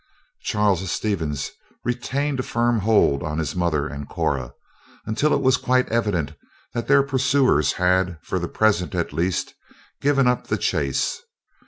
Charles Stevens retained a firm hold on his mother and Cora, until it was quite evident that their pursuers had, for the present, at least, given up the chase.